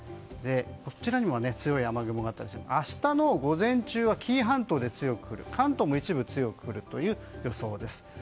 こちらにも強い雨雲がありましたが明日の午前中は紀伊半島で強く降る関東も一部強く降る予想です。